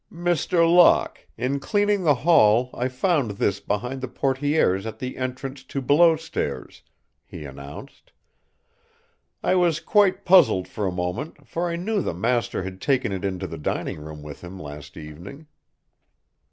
"Mr. Locke, in cleaning the hall I found this behind the portières at the entrance to below stairs," he announced. "I was quite puzzled for a moment, for I knew the master had taken it into the dining room with him last evening."